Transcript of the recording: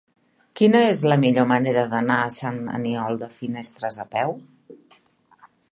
Quina és la millor manera d'anar a Sant Aniol de Finestres a peu?